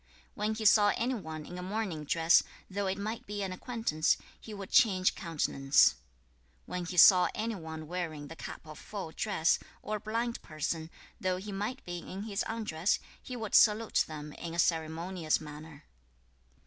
2. When he saw any one in a mourning dress, though it might be an acquaintance, he would change countenance; when he saw any one wearing the cap of full dress, or a blind person, though he might be in his undress, he would salute them in a ceremonious manner.